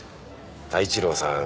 太一郎さん